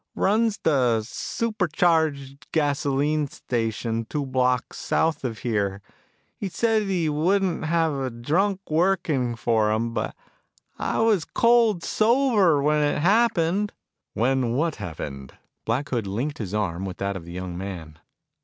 "Runs the Super Charged Gasoline Station two blocks south of here. He said he wouldn't have a drunk working for him, but I was cold sober when it happened." "When what happened?" Black Hood linked his arm with that of the young man.